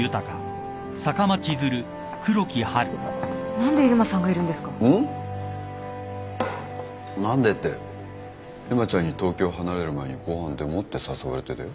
何でって絵真ちゃんに東京を離れる前にご飯でもって誘われてだよ。